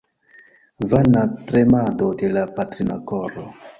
Vana tremado de la patrina koro!